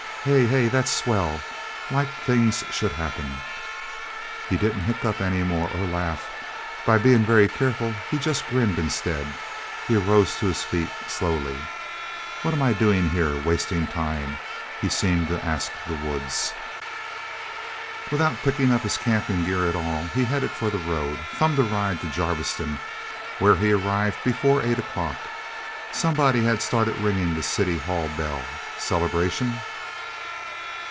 Hey...! Hey, that's swell... Like things should happen." He didn't hiccup anymore, or laugh. By being very careful, he just grinned, instead. He arose to his feet, slowly. "What am I doing here wasting time?" he seemed to ask the woods. Without picking up his camping gear at all, he headed for the road, thumbed a ride to Jarviston, where he arrived before eight o'clock. Somebody had started ringing the city hall bell. Celebration?